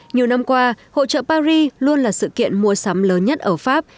nhiều năm qua hộ trợ paris luôn là sự kiện mua sắm lớn nhất ở pháp